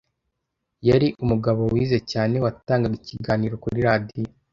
Yari umugabo wize cyane watangaga ikiganiro kuri radiyo